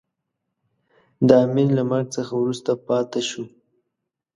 د امیر له مرګ څخه وروسته پاته شو.